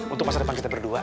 untuk masa depan kita berdua